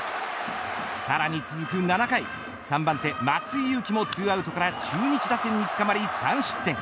さらに続く７回３番手松井裕樹も２アウトから中日打線につかまり３失点。